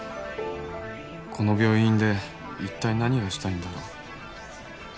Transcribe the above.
この病院でいったい何がしたいんだろう